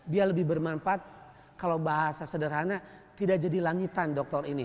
dia lebih bermanfaat kalau bahasa sederhana tidak jadi langitan dokter ini